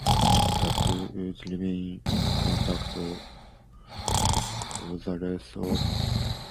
The two would remain in contact for the rest of Edison's life.